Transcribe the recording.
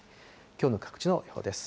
きょうの各地の予報です。